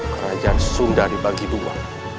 kerajaan sunda dibagi dua